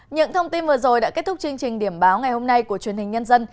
những thông tin vừa rồi đã kết thúc chương trình điểm báo ngày hôm nay của truyền hình nhân dân